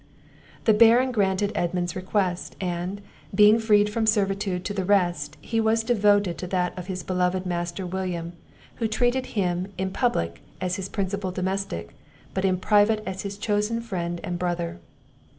The Baron granted Edmund's request; and, being freed from servitude to the rest, he was devoted to that of his beloved Master William, who treated him in public as his principal domestic, but in private as his chosen friend and brother.